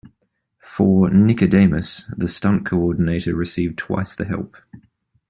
For "Nicodemus", the stunt coordinator received twice the help.